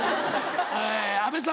え阿部さん